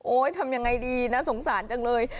ทำยังไงดีนะสงสารจังเลย